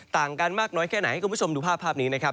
ต่างกันมากน้อยแค่ไหนให้คุณผู้ชมดูภาพภาพนี้นะครับ